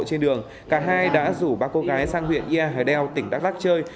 trên đường cả hai đã rủ ba cô gái sang huyện nha hờ đeo tỉnh đắk lắc chơi